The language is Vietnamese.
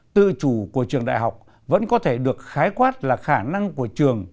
tự chủ của trường đại học vẫn có thể được khái quát là khả năng của trường